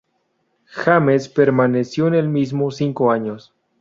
James, permaneciendo en el mismo cinco años.